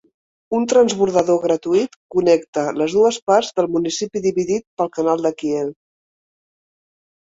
Un transbordador gratuït connecta les dues parts del municipi dividit pel canal de Kiel.